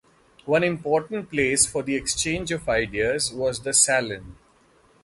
One important place for the exchange of ideas was the salon.